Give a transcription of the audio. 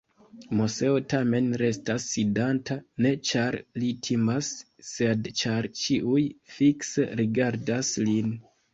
Moseo tamen restas sidanta, ne ĉar li timas, sed ĉar ĉiuj fikse rigardas lin.